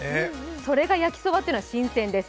それが焼きそばっていうのは新鮮です。